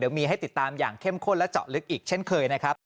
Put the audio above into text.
มีให้ติดตามอย่างเข้มข้นและเจาะลึกอีกเช่นเคยนะครับ